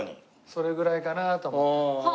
それぐらいかなと思って。